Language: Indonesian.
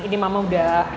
ini mama udah